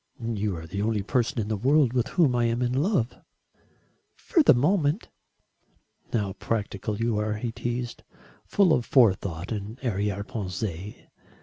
"You are the only person in the world with whom I am in love." "For the moment." "How practical you are!" he teased, "full of forethought and arrière pensées.